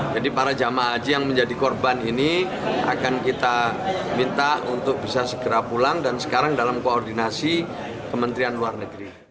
jadi para jamaah haji yang menjadi korban ini akan kita minta untuk bisa segera pulang dan sekarang dalam koordinasi kementerian luar negeri